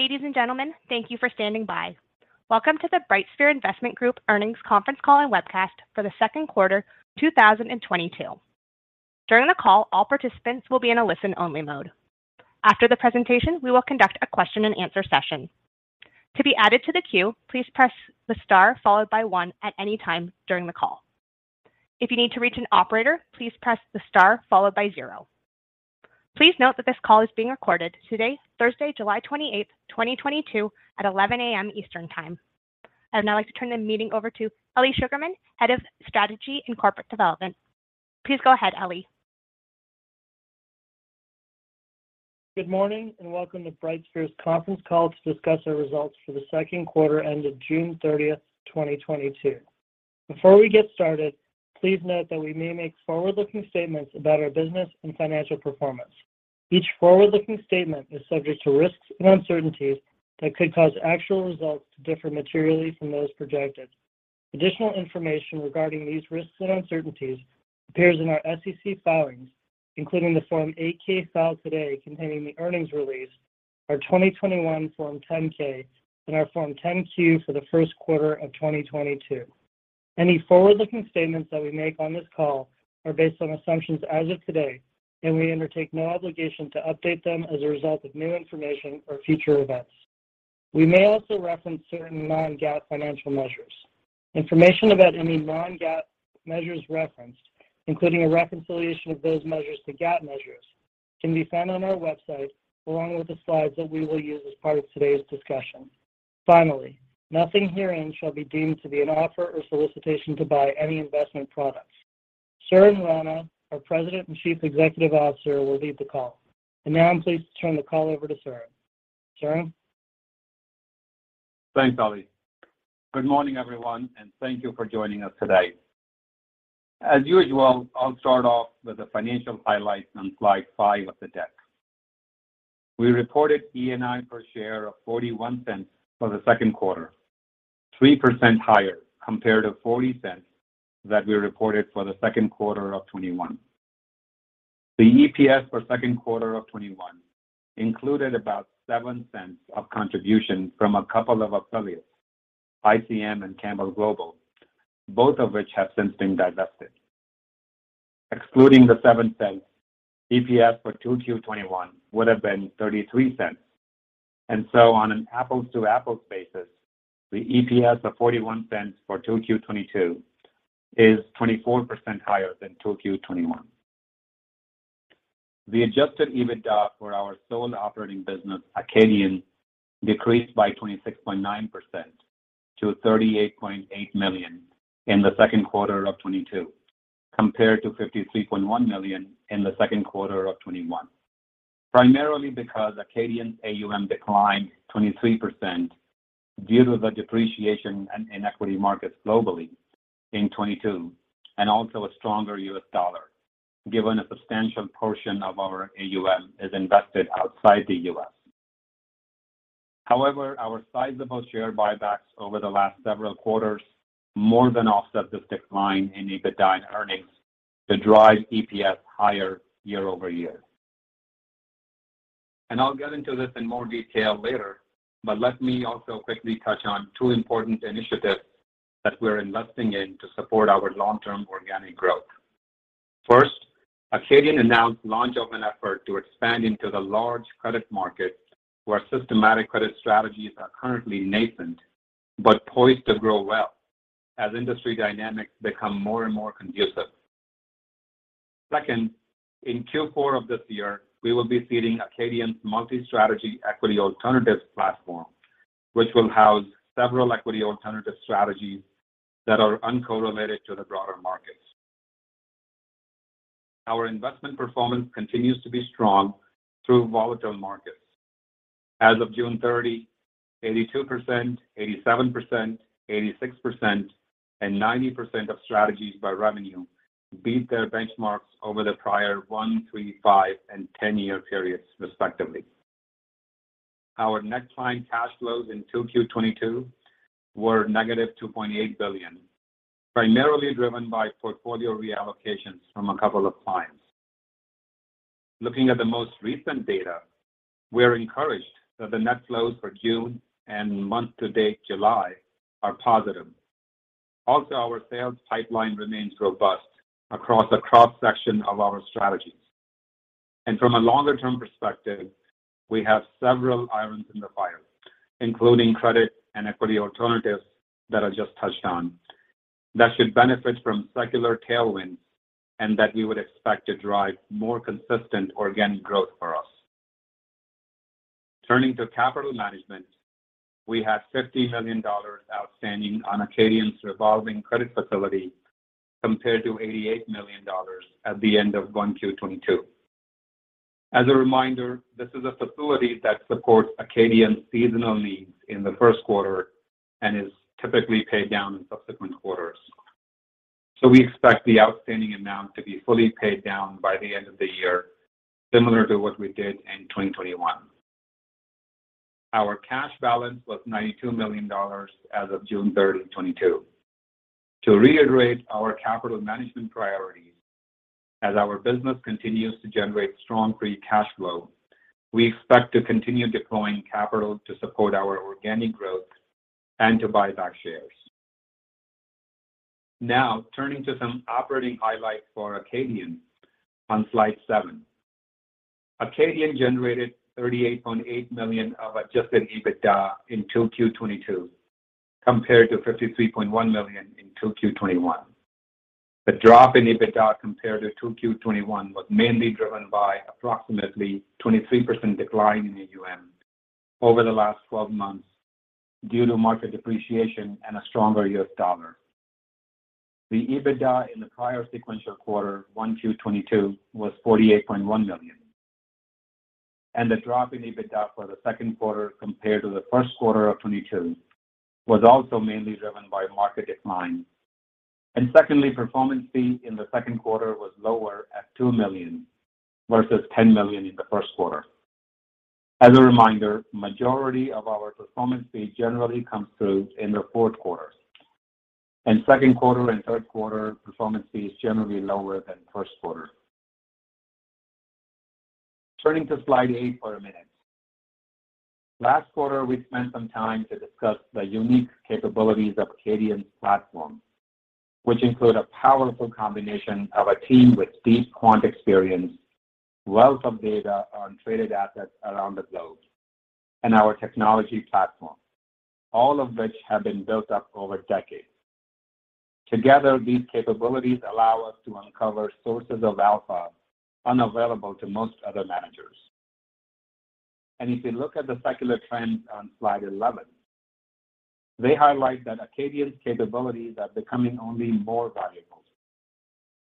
Ladies and gentlemen, thank you for standing by. Welcome to the BrightSphere Investment Group Earnings Conference Call and Webcast for the Second Quarter 2022. During the call, all participants will be in a listen only mode. After the presentation, we will conduct a question and answer session. To be added to the queue, please press the star followed by one at any time during the call. If you need to reach an operator, please press the star followed by zero. Please note that this call is being recorded today, Thursday, July 28, 2022 at 11:00 A.M. Eastern Time. I'd now like to turn the meeting over to Eli Sugarman, Head of Strategy and Corporate Development. Please go ahead, Eli. Good morning, and welcome to BrightSphere's conference call to discuss our results for the second quarter ending June 30, 2022. Before we get started, please note that we may make forward-looking statements about our business and financial performance. Each forward-looking statement is subject to risks and uncertainties that could cause actual results to differ materially from those projected. Additional information regarding these risks and uncertainties appears in our SEC filings, including the Form 8-K filed today containing the earnings release, our 2021 Form 10-K and our Form 10-Q for the first quarter of 2022. Any forward-looking statements that we make on this call are based on assumptions as of today, and we undertake no obligation to update them as a result of new information or future events. We may also reference certain non-GAAP financial measures. Information about any non-GAAP measures referenced, including a reconciliation of those measures to GAAP measures, can be found on our website, along with the slides that we will use as part of today's discussion. Finally, nothing herein shall be deemed to be an offer or solicitation to buy any investment products. Suren Rana, our President and Chief Executive Officer, will lead the call. Now I'm pleased to turn the call over to Suren. Suren? Thanks, Eli. Good morning, everyone, and thank you for joining us today. As usual, I'll start off with the financial highlights on slide five of the deck. We reported ENI per share of $0.41 for the second quarter, 3% higher compared to $0.40 that we reported for the second quarter of 2021. The EPS for second quarter of 2021 included about $0.07 of contribution from a couple of affiliates, ICM and Campbell Global, both of which have since been divested. Excluding the $0.07, EPS for 2Q 2021 would have been $0.33. On an apples-to-apples basis, the EPS of $0.41 for 2Q 2022 is 24% higher than 2Q 2021. The adjusted EBITDA for our sole operating business, Acadian, decreased by 26.9% to $38.8 million in the second quarter of 2022, compared to $53.1 million in the second quarter of 2021. Primarily because Acadian's AUM declined 23% due to the depreciation in equity markets globally in 2022, and also a stronger U.S. dollar, given a substantial portion of our AUM is invested outside the U.S. However, our sizable share buybacks over the last several quarters more than offset this decline in EBITDA and earnings to drive EPS higher year-over-year. I'll get into this in more detail later, but let me also quickly touch on two important initiatives that we're investing in to support our long-term organic growth. First, Acadian announced launch of an effort to expand into the large credit market, where systematic credit strategies are currently nascent but poised to grow well as industry dynamics become more and more conducive. Second, in Q4 of this year, we will be seeding Acadian's multi-strategy equity alternatives platform, which will house several equity alternative strategies that are uncorrelated to the broader markets. Our investment performance continues to be strong through volatile markets. As of June 30, 82%, 87%, 86%, and 90% of strategies by revenue beat their benchmarks over the prior 1-, 3-, 5-, and 10-year periods, respectively. Our net client cash flows in 2Q 2022 were -$2.8 billion, primarily driven by portfolio reallocations from a couple of clients. Looking at the most recent data, we're encouraged that the net flows for June and month-to-date July are positive. Also, our sales pipeline remains robust across a cross-section of our strategies. From a longer-term perspective, we have several irons in the fire, including credit and equity alternatives that I just touched on, that should benefit from secular tailwinds and that we would expect to drive more consistent organic growth for us. Turning to capital management, we have $50 million outstanding on Acadian's revolving credit facility compared to $88 million at the end of 1Q 2022. As a reminder, this is a facility that supports Acadian's seasonal needs in the first quarter and is typically paid down in subsequent quarters. We expect the outstanding amount to be fully paid down by the end of the year, similar to what we did in 2021. Our cash balance was $92 million as of June 30, 2022. To reiterate our capital management priorities, as our business continues to generate strong free cash flow, we expect to continue deploying capital to support our organic growth and to buy back shares. Now turning to some operating highlights for Acadian on slide seven. Acadian generated $38.8 million of adjusted EBITDA in 2Q 2022, compared to $53.1 million in 2Q 2021. The drop in EBITDA compared to 2Q 2021 was mainly driven by approximately 23% decline in AUM over the last 12 months due to market depreciation and a stronger U.S. dollar. The EBITDA in the prior sequential quarter, 1Q 2022, was $48.1 million. The drop in EBITDA for the second quarter compared to the first quarter of 2022 was also mainly driven by market declines. Secondly, performance fee in the second quarter was lower at $2 million versus $10 million in the first quarter. As a reminder, majority of our performance fee generally comes through in the fourth quarter. In second quarter and third quarter, performance fee is generally lower than first quarter. Turning to slide eight for a minute. Last quarter, we spent some time to discuss the unique capabilities of Acadian's platform, which include a powerful combination of a team with deep quant experience, wealth of data on traded assets around the globe, and our technology platform, all of which have been built up over decades. Together, these capabilities allow us to uncover sources of alpha unavailable to most other managers. If you look at the secular trends on slide 11, they highlight that Acadian's capabilities are becoming only more valuable.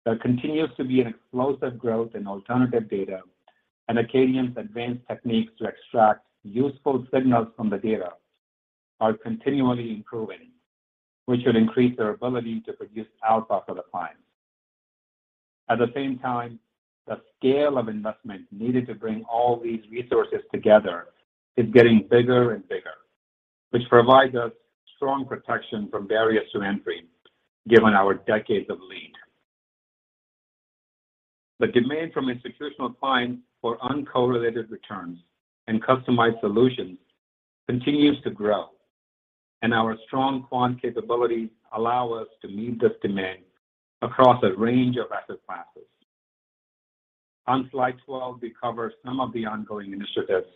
There continues to be an explosive growth in alternative data, and Acadian's advanced techniques to extract useful signals from the data are continually improving, which should increase their ability to produce alpha for the clients. At the same time, the scale of investment needed to bring all these resources together is getting bigger and bigger, which provides us strong protection from barriers to entry given our decades of lead. The demand from institutional clients for uncorrelated returns and customized solutions continues to grow, and our strong quant capabilities allow us to meet this demand across a range of asset classes. On slide 12, we cover some of the ongoing initiatives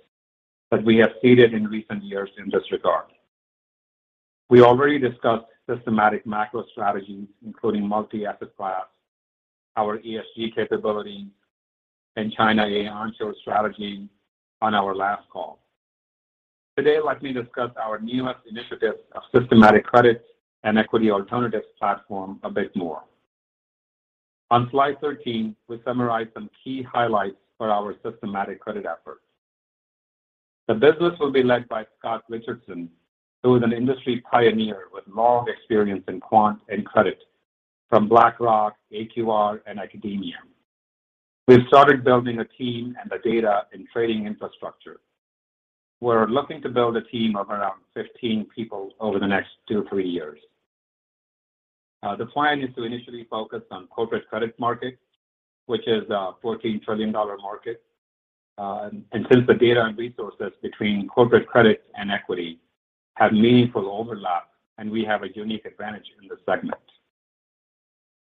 that we have seeded in recent years in this regard. We already discussed systematic macro strategies, including multi-asset class, our ESG capabilities, and China a onshore strategy on our last call. Today, let me discuss our newest initiatives of systematic credit and equity alternatives platform a bit more. On slide 13, we summarize some key highlights for our systematic credit efforts. The business will be led by Scott Richardson, who is an industry pioneer with long experience in quant and credit from BlackRock, AQR, and Academia. We've started building a team and the data and trading infrastructure. We're looking to build a team of around 15 people over the next 2, 3 years. The plan is to initially focus on corporate credit markets, which is a $14 trillion market. Since the data and resources between corporate credit and equity have meaningful overlap, and we have a unique advantage in this segment.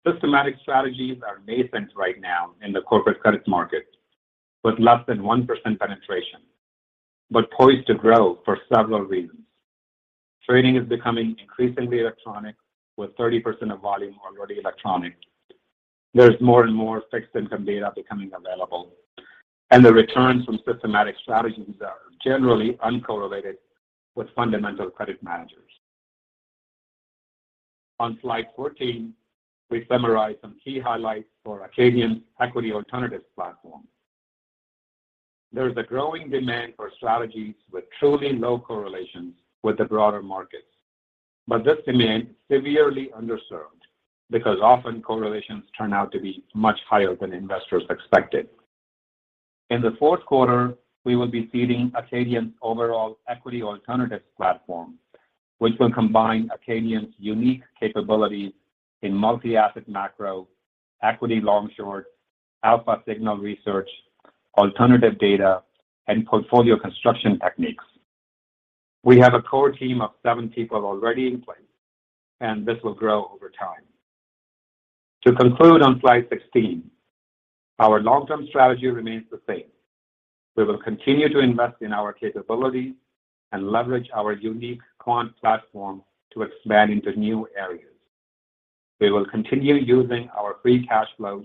Systematic strategies are nascent right now in the corporate credit market, with less than 1% penetration, but poised to grow for several reasons. Trading is becoming increasingly electronic, with 30% of volume already electronic. There's more and more fixed income data becoming available, and the returns from systematic strategies are generally uncorrelated with fundamental credit managers. On slide 14, we summarize some key highlights for Acadian's equity alternatives platform. There's a growing demand for strategies with truly low correlations with the broader markets. This demand is severely underserved because often correlations turn out to be much higher than investors expected. In the fourth quarter, we will be seeding Acadian's overall equity alternatives platform, which will combine Acadian's unique capabilities in multi-asset macro, equity long-short, alpha signal research, alternative data, and portfolio construction techniques. We have a core team of seven people already in place, and this will grow over time. To conclude on slide 16, our long-term strategy remains the same. We will continue to invest in our capabilities and leverage our unique quant platform to expand into new areas. We will continue using our free cash flow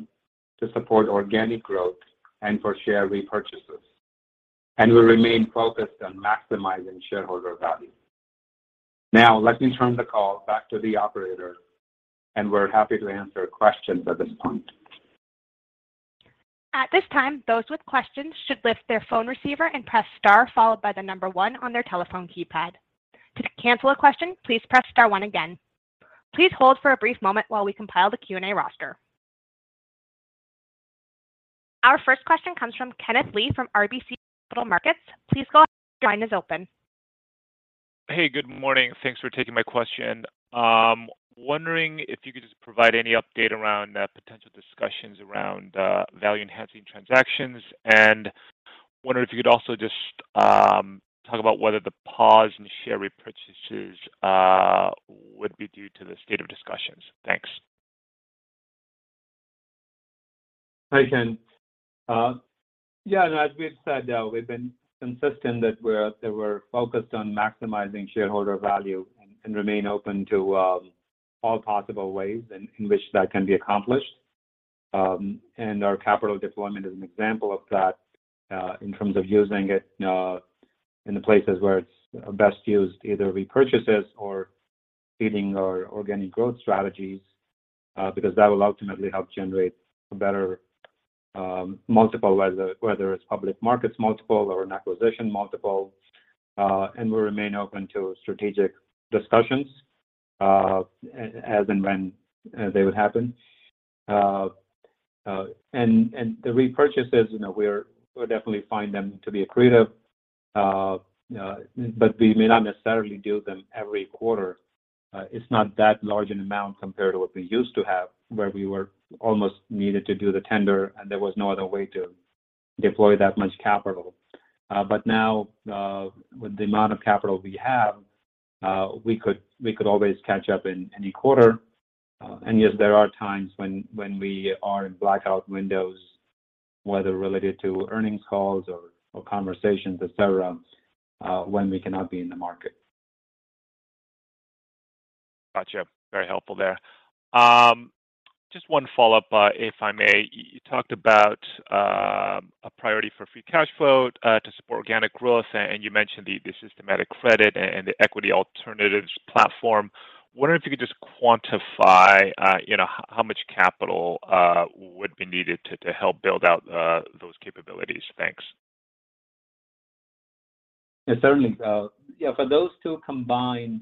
to support organic growth and for share repurchases. We remain focused on maximizing shareholder value. Now, let me turn the call back to the operator, and we're happy to answer questions at this point. At this time, those with questions should lift their phone receiver and press star followed by the number one on their telephone keypad. To cancel a question, please press star one again. Please hold for a brief moment while we compile the Q&A roster. Our first question comes from Kenneth Lee from RBC Capital Markets. Please go ahead. Your line is open. Hey, good morning. Thanks for taking my question. Wondering if you could just provide any update around potential discussions around value-enhancing transactions. Wondering if you could also just talk about whether the pause in share repurchases would be due to the state of discussions. Thanks. Hi, Ken. As we've said, we've been consistent that we're focused on maximizing shareholder value and remain open to all possible ways in which that can be accomplished. Our capital deployment is an example of that, in terms of using it in the places where it's best used, either repurchases or feeding our organic growth strategies, because that will ultimately help generate a better multiple, whether it's public markets multiple or an acquisition multiple. We remain open to strategic discussions, as and when they would happen. The repurchases, you know, we definitely find them to be accretive, but we may not necessarily do them every quarter. It's not that large an amount compared to what we used to have, where we were almost needed to do the tender and there was no other way to deploy that much capital. Now, with the amount of capital we have, we could always catch up in any quarter. Yes, there are times when we are in blackout windows, whether related to earnings calls or conversations, et cetera, when we cannot be in the market. Gotcha. Very helpful there. Just one follow-up, if I may. You talked about a priority for free cash flow to support organic growth, and you mentioned the systematic credit and the equity alternatives platform. Wondering if you could just quantify, you know, how much capital would be needed to help build out those capabilities. Thanks. Yeah, certainly. Yeah, for those two combined,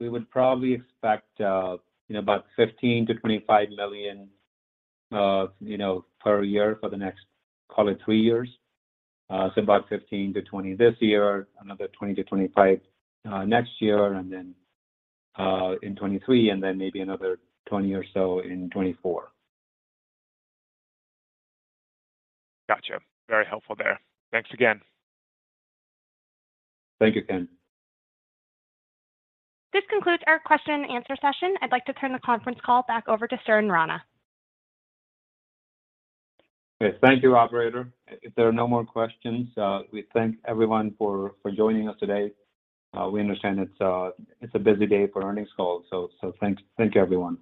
we would probably expect, you know, about $15 million-$25 million, you know, per year for the next, call it, three years. So about $15 million-$20 million this year, another $20 million-$25 million next year, and then in 2023, and then maybe another $20 million or so in 2024. Gotcha. Very helpful there. Thanks again. Thank you, Ken. This concludes our question and answer session. I'd like to turn the conference call back over to Suren Rana. Okay. Thank you, operator. If there are no more questions, we thank everyone for joining us today. We understand it's a busy day for earnings calls, so thanks. Thank you, everyone.